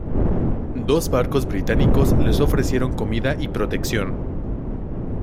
Dos barcos británicos les ofrecieron comida y protección.